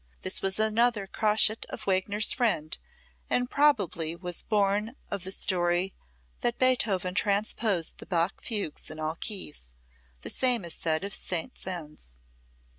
This was another crotchet of Wagner's friend and probably was born of the story that Beethoven transposed the Bach fugues in all keys. The same is said of Saint Saens.